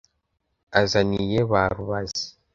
Azaniye ba Rubazi,